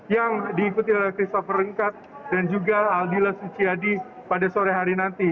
yang diikuti oleh christopher ringkat dan juga aldila suciadi pada sore hari nanti